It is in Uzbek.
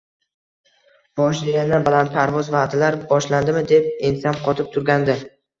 Boshida yana blandparvoz vaʼdalar boshlandimi, deb ensam qotib turgandi.